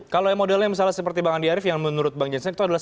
kalau modelnya misalnya seperti bang andi arief yang menurut bang jansen itu adalah